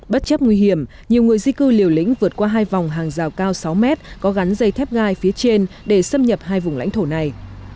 bất chấp nguy hiểm nhiều người di cư liều lĩnh vượt qua hai vòng hàng rào cao sáu mét có gắn dây thép gai phía trên để xâm nhập hai vùng lãnh thổ này